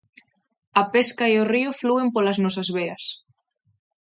A pesca e o río flúen polas nosas veas.